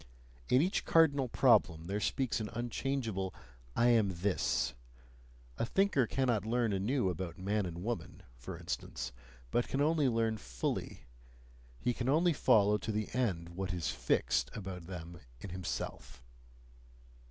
In each cardinal problem there speaks an unchangeable "I am this"; a thinker cannot learn anew about man and woman, for instance, but can only learn fully he can only follow to the end what is "fixed" about them in himself.